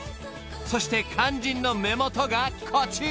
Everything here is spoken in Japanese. ［そして肝心の目元がこちら］